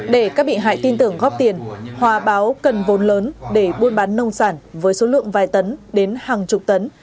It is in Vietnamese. để các bị hại tin tưởng góp tiền hòa báo cần vốn lớn để buôn bán nông sản với số lượng vài tấn đến hàng chục tấn